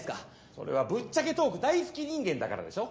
それはぶっちゃけトーク大好き人間だからでしょ。